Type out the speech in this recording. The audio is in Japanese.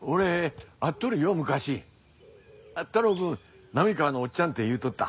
太郎くん「波川のおっちゃん」って言うとった。